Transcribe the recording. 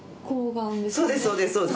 そうです、そうです。